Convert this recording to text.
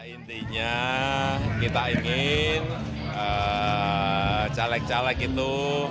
intinya kita ingin caleg caleg itu